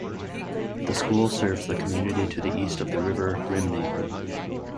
The school serves the community to the east of the River Rhymney.